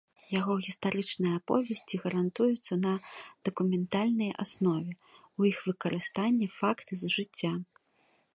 Яго гістарычныя аповесці грунтуюцца на дакументальнай аснове, у іх выкарыстаныя факты з жыцця.